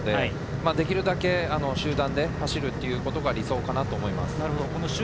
できるだけ集団で走ることが理想だと思います。